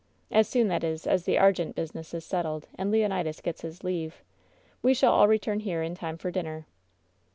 As soon, that is, as the Ar* gente business is settled and Leonidas gets his leave. We shall all return here in time for dinner."